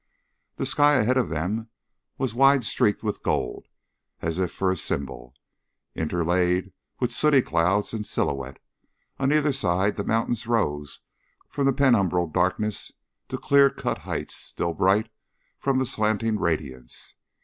The sky ahead of them was wide streaked with gold, as if for a symbol, interlaid with sooty clouds in silhouette; on either side the mountains rose from penumbral darkness to clear cut heights still bright from the slanting radiance.